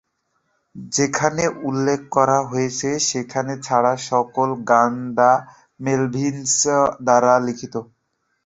যেখানে উল্লেখ করা হয়েছে সেখানে ছাড়া সকল গান দ্যা মেলভিনস দ্বারা লিখিত।